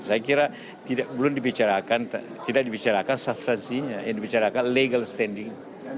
saya kira belum dibicarakan tidak dibicarakan substansinya yang dibicarakan legal standing